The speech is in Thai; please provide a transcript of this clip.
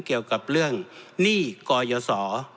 เกี่ยวกับเรื่องหนี้กยศ